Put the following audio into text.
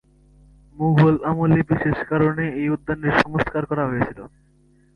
মুঘল আমলে বিশেষ কারণে এই উদ্যানের সংস্কার করা হয়েছিল।